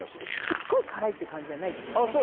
すごい辛いって感じじゃないですよね。